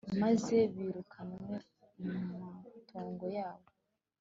maze birukanwe mu matongo yabo